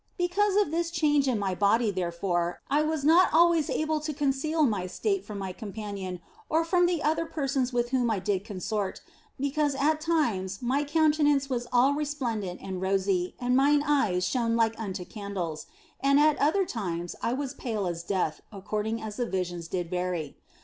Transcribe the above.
Because of this change in my body, therefore, I was not always able to conceal my state from my companion or from the other persons with whom I did consort, because at times my countenance was all resplendent and rosy and mine eyes shone like unto candles, and at other times I was pale as death, according as the visions did vary.